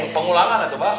pengulangan ya coba